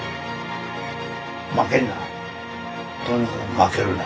負けるな。